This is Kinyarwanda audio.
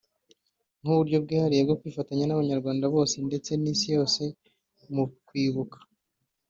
nk’uburyo bwihariye bwo kwifatanya n’abanyarwanda bose ndetse n’Isi yose mu kwibuka